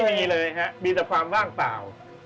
ไม่มีเลยครับมีแต่ความว่างเปล่า